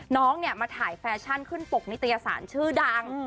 น้องเนี่ยมาถ่ายแฟชั่นขึ้นปกนิตยสารชื่อดัง